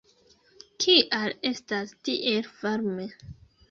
Kial estas tiel varme?